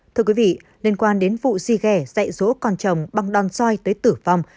thưa quý vị liên quan đến vụ di ghẻ dạy rỗ con chồng băng đòn roi tới tử vong